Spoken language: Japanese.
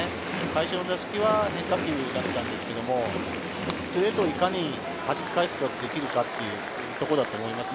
最初の打席は変化球だったんですけれど、ストレートをいかに弾き返すかというところだと思います。